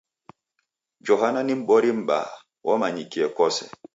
Johana ni m'bori mbaha, wamanyikie kose